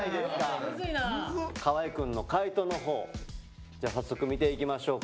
河合くんの回答のほうじゃあ早速見ていきましょうか。